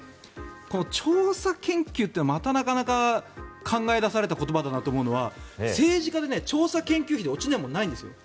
調査研究ってのがまた、なかなか考え出された言葉だなと思うのは政治家で調査研究費で落ちないものはないんですよ。